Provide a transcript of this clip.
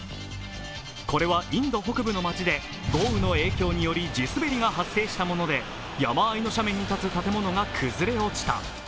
これはインド北部の町で豪雨の影響により地滑りが発生したもので、山間の斜面に建つ建物が崩れ落ちた。